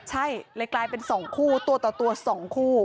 ใช่เลยกลายเป็น๒คู่ตัวต่อตัว๒คู่